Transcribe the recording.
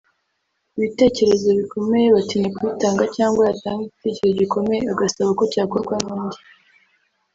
ibitekerezo bikomeye batinya kubitanga cyangwa yatanga igitekerezo gikomeye agasaba ko cyakorwa n’undi